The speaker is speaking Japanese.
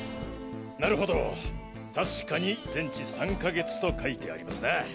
なるほど確かに全治３か月と書いてありますな。